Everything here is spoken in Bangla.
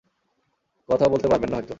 কথা বলতে পারবেন না হয়ত!